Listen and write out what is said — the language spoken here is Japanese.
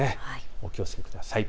お気をつけください。